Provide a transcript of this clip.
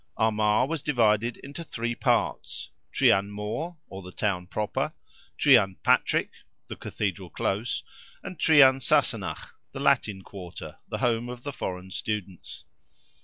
Armagh was divided into three parts—trian more (or the town proper), trian Patrick, the Cathedral close, and trian Sassenagh, the Latin quarter, the home of the foreign students.